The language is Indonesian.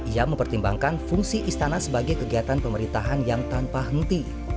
ia mempertimbangkan fungsi istana sebagai kegiatan pemerintahan yang tanpa henti